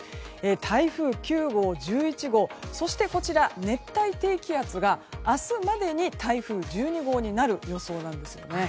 台風９号、１１号そして熱帯低気圧が明日までに台風１２号になる予想です。